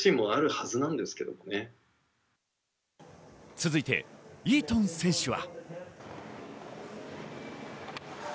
続いてイートン選手は。